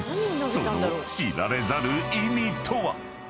［その知られざる意味とは⁉］